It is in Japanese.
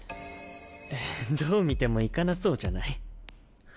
どう見ても行かなそうじゃない？